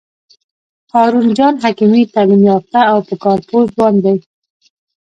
هارون جان حکیمي تعلیم یافته او په کار پوه ځوان دی.